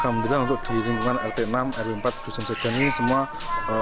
ya alhamdulillah untuk di lingkungan rt enam r empat dusun sejen ini semua ada